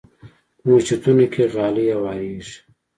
په مسجدونو کې غالۍ هوارېږي.